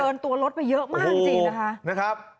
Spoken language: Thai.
เกินตัวรถไปเยอะมากจริงนะครับ